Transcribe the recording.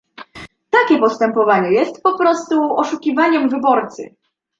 Takie postępowanie jest po prostu oszukiwaniem wyborcy